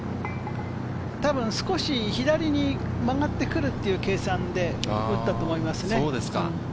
たぶん少し左に曲がってくるっていう計算で打ったと思いますね。